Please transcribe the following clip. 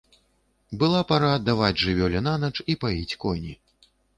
Была пара даваць жывёле нанач і паіць коні.